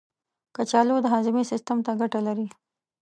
کچالو د هاضمې سیستم ته ګټه لري.